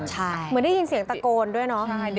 ใช่เหมือนได้ยินเสียงตะโกนด้วยเนาะ